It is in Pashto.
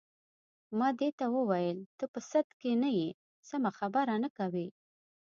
ما دې ته وویل: ته په سد کې نه یې، سمه خبره نه کوې.